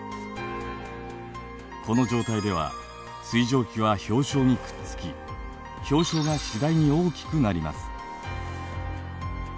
この状態では水蒸気は氷晶にくっつき氷晶が次第に大きくなります。